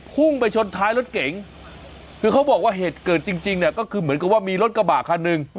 พุ่งไปชนท้ายรถเก๋งคือเขาบอกว่าเหตุเกิดจริงเนี่ยก็คือเหมือนกับว่ามีรถกระบะคันหนึ่ง